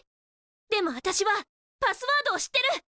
でも私はパスワードを知ってる！